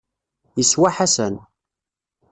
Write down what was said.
Yeswa Ḥasan.